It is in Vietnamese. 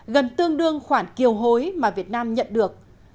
gần tương đương khoản kiều hối mà việt nam nhận được